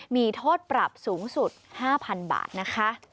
มีโทษปรับสูงสุด๕๐๐๐บาทนะคะ